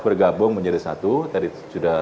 bergabung menjadi satu tadi sudah